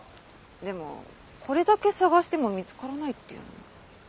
でもこれだけ捜しても見つからないっていうのも。